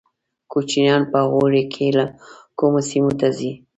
کوچیان په اوړي کې کومو سیمو ته ځي؟